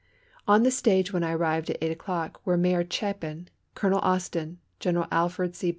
On the stage, when I arrived at eight o'clock, were Mayor Chapin, Colonel Austen, General Alfred C.